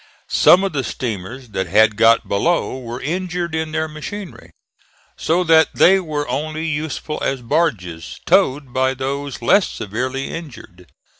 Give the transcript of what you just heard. Some of the steamers that had got below were injured in their machinery, so that they were only useful as barges towed by those less severely injured.